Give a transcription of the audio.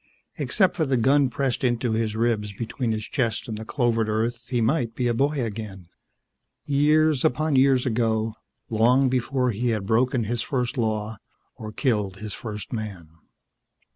Except for the gun pressed into his ribs between his chest and the clovered earth, he might be a boy again, years upon years ago, long before he had broken his first law or killed his first man.